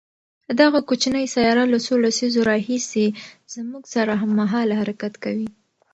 دغه کوچنۍ سیاره له څو لسیزو راهیسې زموږ سره هممهاله حرکت کوي.